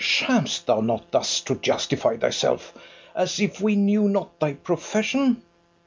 Sham'st thou not thus to justify thyself, As if we knew not thy profession?